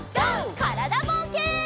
からだぼうけん。